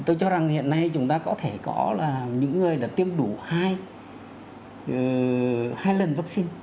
tôi cho rằng hiện nay chúng ta có thể có là những người đã tiêm đủ hai lần vaccine